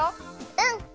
うん！